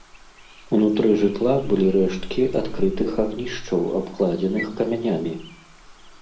Унутры жытла былі рэшткі адкрытых агнішчаў, абкладзеных камянямі.